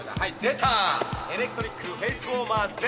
「エレクトリックフェイスウォーマーＺ」